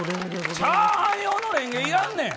チャーハン用のれんげいらんねん！